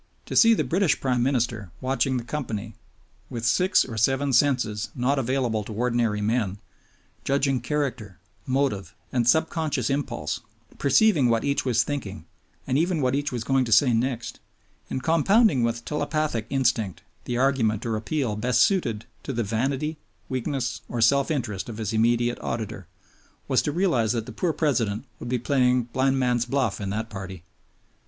To see the British Prime Minister watching the company, with six or seven senses not available to ordinary men, judging character, motive, and subconscious impulse, perceiving what each was thinking and even what each was going to say next, and compounding with telepathic instinct the argument or appeal best suited to the vanity, weakness, or self interest of his immediate auditor, was to realize that the poor President would be playing blind man's buff in that party.